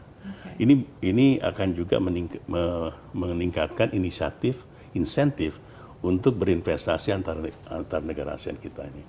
jadi ini akan juga meningkatkan inisiatif insentif untuk berinvestasi antar negara asean kita